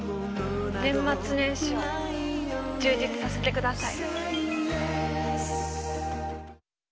年末年始を充実させてください。